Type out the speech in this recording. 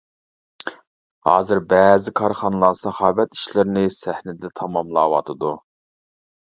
ھازىر بەزى كارخانىلار ساخاۋەت ئىشلىرىنى سەھنىدە تاماملاۋاتىدۇ.